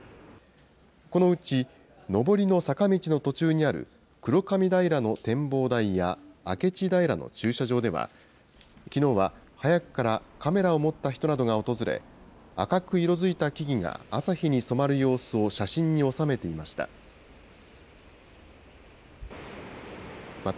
このうち、上りの坂道の途中にある黒髪平の展望台や、明智平の駐車場では、きのうは早くからカメラを持った人などが訪れ、赤く色づいた木々が朝日に染まる様子を写真に収めていました。